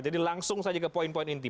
jadi langsung saja ke poin poin inti